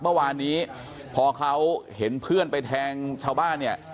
เมื่อวานนี้พอเขาเห็นเพื่อนไปแทงชาวบ้านเนี่ย